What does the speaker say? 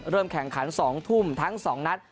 แข่งขัน๒ทุ่มทั้ง๒นัด